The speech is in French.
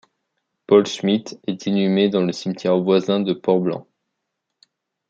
Paul Schmidt est inhumé dans le cimetière voisin de Port-Blanc.